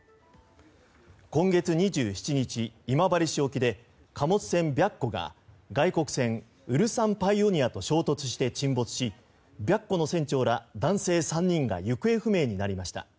今月２７日、今治市沖で貨物船「白虎」が外国船「ウルサンパイオニア」と衝突して沈没し「白虎」の船長ら男性３人が行方不明になりました。